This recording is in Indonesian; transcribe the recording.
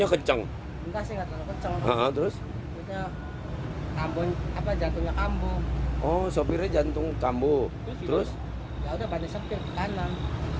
ya udah pada sempit kanan